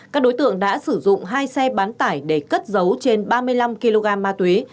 các đối tượng đã sử dụng hai xe bán tải để cất dấu trên ba mươi năm kg ma túy